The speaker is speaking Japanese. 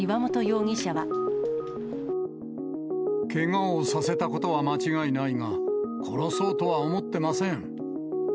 けがをさせたことは間違いないが、殺そうとは思ってません。